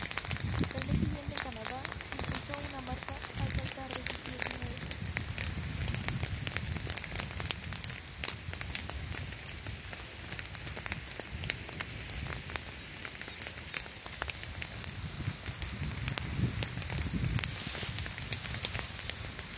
La cinematografía estuvo a cargo de Erik Persson.